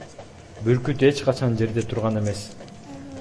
Бүркүт эч качан жерде турган эмес.